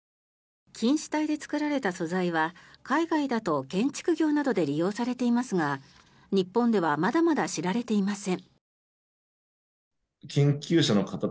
菌糸体で作られた素材は海外だと建築業などで利用されていますが日本ではまだまだ知られていません。